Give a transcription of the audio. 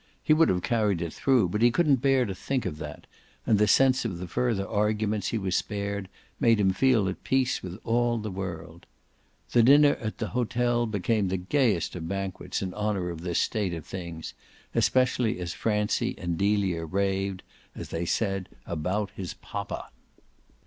He would have carried it through, but he couldn't bear to think of that, and the sense of the further arguments he was spared made him feel at peace with all the world. The dinner at the hotel became the gayest of banquets in honour of this state of things, especially as Francie and Delia raved, as they said, about his poppa.